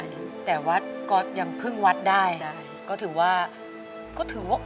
เนวิคจาน่อนใช้ที่ประดับ